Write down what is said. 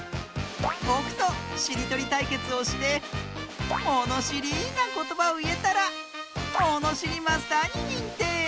ぼくとしりとりたいけつをしてものしりなことばをいえたらものしりマスターににんてい！